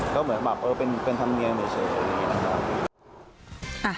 ก็เหมือนแบบเออเป็นธรรมเนียมเฉยอะไรอย่างนี้นะครับ